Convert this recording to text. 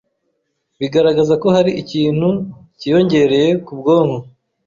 bigaragaza ko hari ikintu kiyongereye mu bwonko,